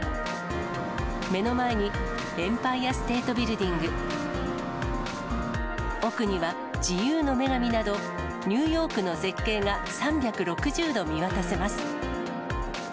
目の前に、エンパイア・ステート・ビルディング、奥には自由の女神など、ニューヨークの絶景が３６０度見渡せます。